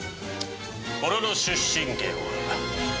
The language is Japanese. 俺の出身県は。